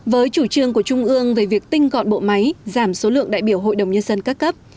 với chủ trương của trung ương về việc tinh gọn bộ máy giảm số lượng đại biểu hội đồng nhân dân các cấp